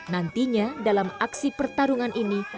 nantinya dalam aksi pertarungan ini